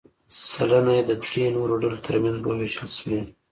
سلنه یې د درې نورو ډلو ترمنځ ووېشل شوې.